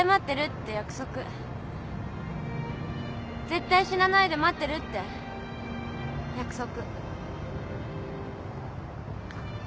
絶対死なないで待ってるって約束。